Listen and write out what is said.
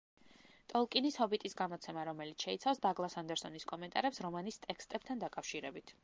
ტოლკინის „ჰობიტის“ გამოცემა, რომელიც შეიცავს დაგლას ანდერსონის კომენტარებს რომანის ტექსტებთან დაკავშირებით.